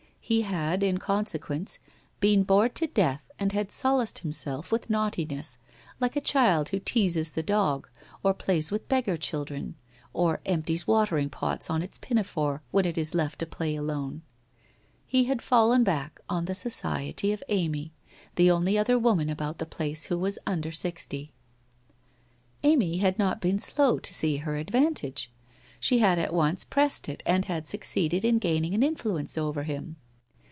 He had, in consequence, been bored to death and had solaced himself with naughtiness, like a child who WHITE ROSE OF WEARY LEAF 171 teases the dog or plays with beggar children, or empties watering pots on its pinafore, when it is left to play alone. He had fallen back on the society of Amy, the only other woman about the place who was under sixty. Amv had not been slow to see her advantage. She had at once pressed it and had succeeded in gaining an influence over him.